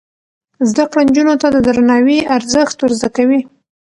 زده کړه نجونو ته د درناوي ارزښت ور زده کوي.